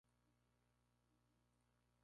Fue creado expresamente como Tribunal Supremo.